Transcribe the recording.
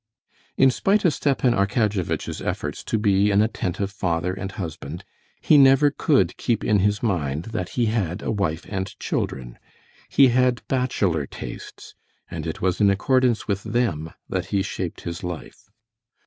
In spite of Stepan Arkadyevitch's efforts to be an attentive father and husband, he never could keep in his mind that he had a wife and children. He had bachelor tastes, and it was in accordance with them that he shaped his life.